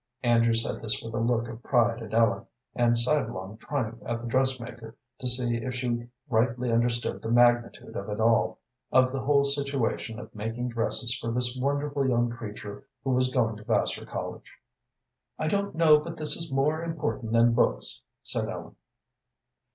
Andrew said this with a look of pride at Ellen and sidelong triumph at the dressmaker to see if she rightly understood the magnitude of it all, of the whole situation of making dresses for this wonderful young creature who was going to Vassar College. "I don't know but this is more important than books," said Ellen.